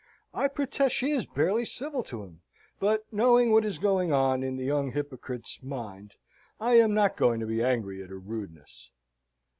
I protest she is barely civil to him; but, knowing what is going on in the young hypocrite's mind, I am not going to be angry at her rudeness."